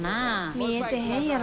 見えてへんやろ。